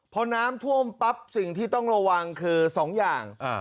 พอน้ำท่วมปั๊บสิ่งที่ต้องระวังคือสองอย่าง